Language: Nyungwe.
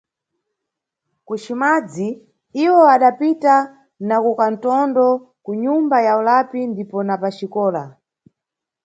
KuCimadzi, iwo adapita na kukantondo, kunyumba ya ulapi ndipo na paxikola.